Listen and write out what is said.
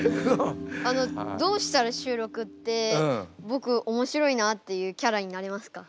あのどうしたら収録って「僕面白いな」っていうキャラになれますか？